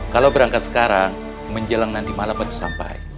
kalau berangkat sekarang menjelang nanti malam baru sampai